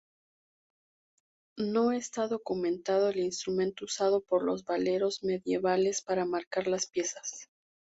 No está documentado el instrumento usado por los veleros medievales para marcar las piezas.